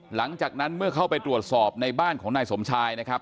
หลังจากนั้นเมื่อเข้าไปตรวจสอบในบ้านของนายสมชายนะครับ